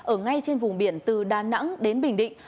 ở ngay trên vùng biển từ đà nẵng đến bình định